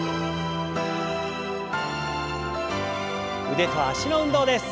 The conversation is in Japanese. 腕と脚の運動です。